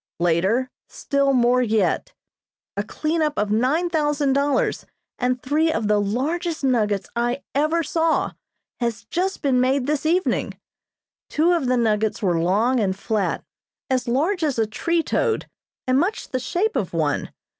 Later Still more yet. A cleanup of nine thousand dollars and three of the largest nuggets I ever saw has just been made this evening. Two of the nuggets were long and flat, as large as a tree toad, and much the shape of one.